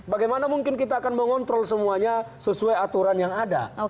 bagaimana mungkin kita akan mengontrol semuanya sesuai aturan yang ada